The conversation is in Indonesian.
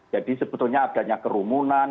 jadi sebetulnya adanya kerumunan